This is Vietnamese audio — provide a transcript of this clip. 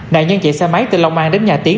nạn nhân chạy xe máy từ long an đến nhà tiến